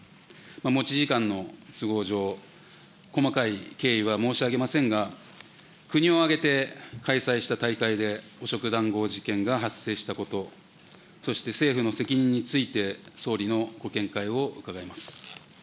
持ち時間の都合上、細かい経緯は申し上げませんが、国を挙げて開催した大会で汚職、談合事件が発生したこと、そして政府の責任について総理のご見解を伺います。